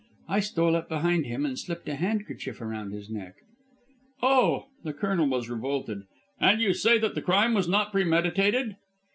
I stole up behind him and slipped a handkerchief round his neck." "Oh!" The Colonel was revolted. "And you say that the crime was not premeditated?"